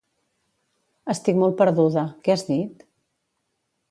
Estic molt perduda, què has dit?